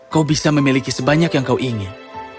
kau bisa memiliki sebanyak yang kau ingin